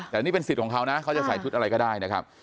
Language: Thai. เนี้ยมันเป็นสิทธิ์ของเขาก็จะใส่อะไรก็ได้นะครับ